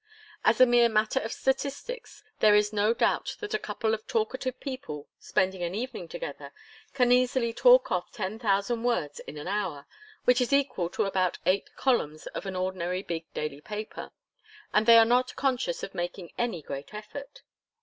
As a mere matter of statistics, there is no doubt that a couple of talkative people spending an evening together can easily 'talk off' ten thousand words in an hour which is equal to about eight columns of an ordinary big daily paper, and they are not conscious of making any great effort.